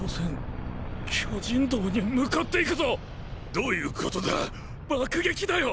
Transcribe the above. どういうことだ⁉爆撃だよ！！